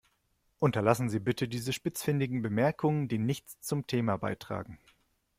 Unterlassen Sie bitte diese spitzfindigen Bemerkungen, die nichts zum Thema beitragen.